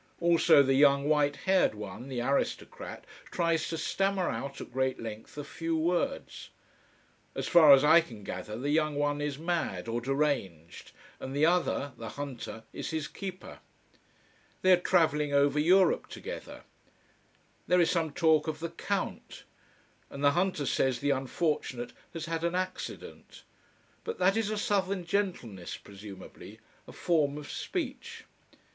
Also the young white haired one, the aristocrat, tries to stammer out, at great length, a few words. As far as I can gather the young one is mad or deranged and the other, the hunter, is his keeper. They are traveling over Europe together. There is some talk of "the Count". And the hunter says the unfortunate "has had an accident." But that is a southern gentleness presumably, a form of speech.